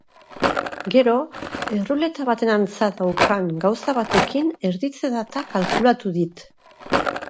Gero, erruleta baten antza daukan gauza batekin erditze-data kalkulatu dit.